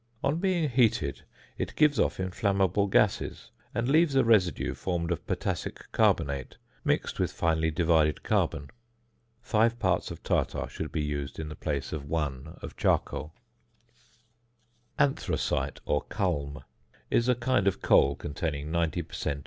On being heated it gives off inflammable gases, and leaves a residue formed of potassic carbonate mixed with finely divided carbon. Five parts of tartar should be used in the place of one of charcoal. ~Anthracite~ or ~Culm~ is a kind of coal containing 90 per cent.